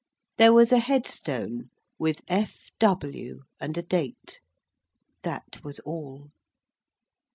There was a head stone, with F. W. and a date. That was all.